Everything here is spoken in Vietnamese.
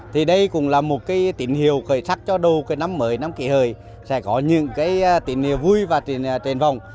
thì đây cũng là một cái tỉnh hiệu khởi sắc cho đầu cái năm mới năm kỳ hơi sẽ có những cái tỉnh hiệu vui và trên vòng